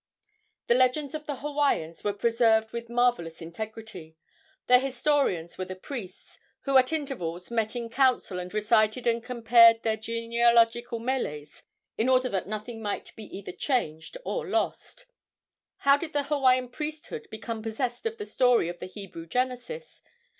The legends of the Hawaiians were preserved with marvellous integrity. Their historians were the priests, who at intervals met in council and recited and compared their genealogical meles, in order that nothing might be either changed or lost. How did the Hawaiian priesthood become possessed of the story of the Hebrew genesis?